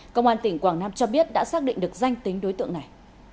công an tỉnh quảng nam cho biết đã xác định được danh tính đối tượng này